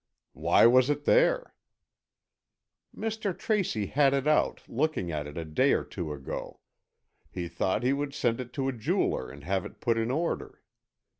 "Why was it there?" "Mr. Tracy had it out, looking at it a day or two ago. He thought he would send it to a jeweller and have it put in order.